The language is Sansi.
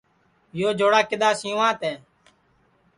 یو چوڑا کِدؔا سیواں تیں